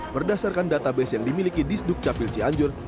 berdasarkan database yang dimiliki disduk capil cianjur